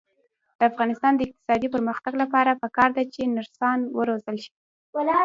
د افغانستان د اقتصادي پرمختګ لپاره پکار ده چې نرسان وروزل شي.